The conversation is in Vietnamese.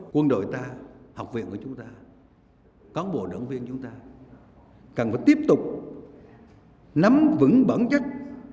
quân đội ta học viện của chúng ta cán bộ đảng viên chúng ta cần phải tiếp tục nắm vững bản chất